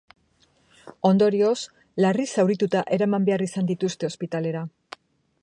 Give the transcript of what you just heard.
Ondorioz, larri zaurituta eraman behar izan dituzte ospitalera.